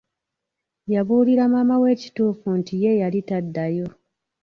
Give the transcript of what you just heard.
Yabuulira maama we ekituufu nti ye yali taddayo.